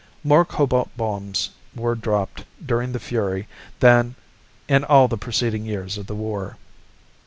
More cobalt bombs were dropped during the Fury than in all the preceding years of the war.